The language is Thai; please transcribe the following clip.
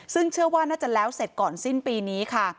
ซึ่งเชื่อว่าน่าจะแล้วเสร็จก่อนสิ้นปีนี้ค่ะ